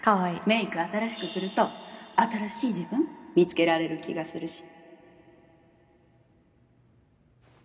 メイク新しくすると新しい自分見つけられる気がするし